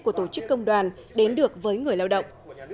của tổ chức công đoàn đến được với người lao động